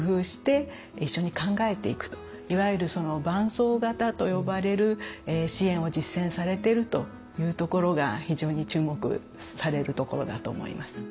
いわゆる「伴走型」と呼ばれる支援を実践されてるというところが非常に注目されるところだと思います。